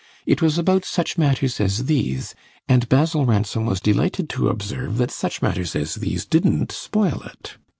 It was about such matters as these, and Basil Ransom was delighted to observe that such matters as these didn't spoil it.